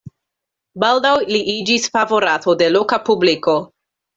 Baldaŭ li iĝis favorato de loka publiko.